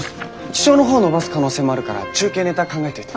気象の方伸ばす可能性もあるから中継ネタ考えておいて。